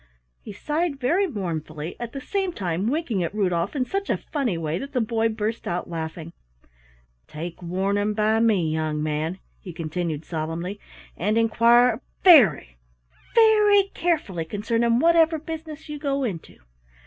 He sighed very mournfully, at the same time winking at Rudolf in such a funny way that the boy burst out laughing. "Take warning by me, young man," he continued solemnly, "and inquire very, very carefully concerning whatever business you go into.